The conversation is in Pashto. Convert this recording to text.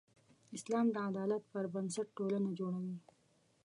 اسلام د عدالت پر بنسټ ټولنه جوړوي.